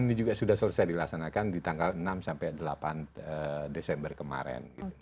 ini juga sudah selesai dilaksanakan di tanggal enam sampai delapan desember kemarin